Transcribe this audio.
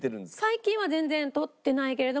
最近は全然取ってないけれども。